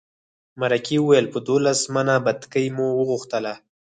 مرکې وویل په دولس منه بتکۍ مو وغوښتله.